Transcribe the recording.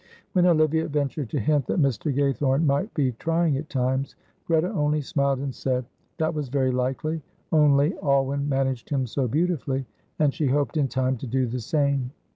When Olivia ventured to hint that Mr. Gaythorne might be trying at times, Greta only smiled and said, "That was very likely, only Alwyn managed him so beautifully, and she hoped in time to do the same.